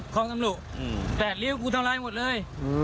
ของตำรวจแปดลิ้วกูทำร้ายหมดเลย